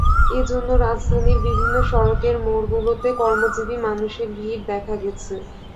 এ জন্য রাজধানীর বিভিন্ন সড়কের মোড়গুলোতে কর্মজীবী মানুষের ভিড় দেখা গেছে।